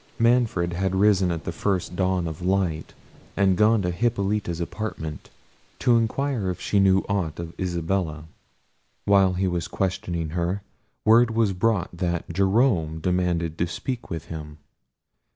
Manfred had risen at the first dawn of light, and gone to Hippolita's apartment, to inquire if she knew aught of Isabella. While he was questioning her, word was brought that Jerome demanded to speak with him.